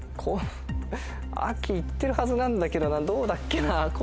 秋行ってるはずなんだけどなどうだっけな？